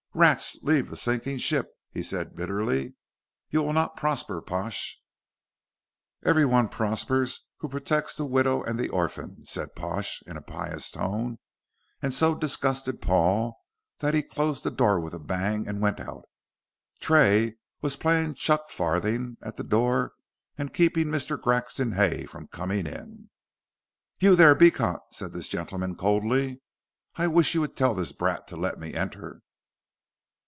"Rats leave the sinking ship," said he, bitterly; "you will not prosper, Pash." "Everyone prospers who protects the widow and the orphan," said Pash, in a pious tone, and so disgusted Paul that he closed the door with a bang and went out. Tray was playing chuck farthing at the door and keeping Mr. Grexon Hay from coming in. "You there, Beecot?" said this gentleman, coldly. "I wish you would tell this brat to let me enter."